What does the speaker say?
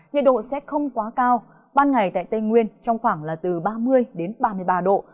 nhiệt độ sẽ không quá cao ban ngày tại tây nguyên trong khoảng là từ ba mươi đến ba mươi ba độ